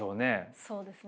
そうですね。